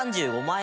１３５万？